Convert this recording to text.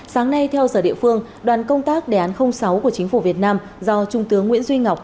sáng nay theo giờ địa phương đoàn công tác đề án sáu của chính phủ việt nam do trung tướng nguyễn duy ngọc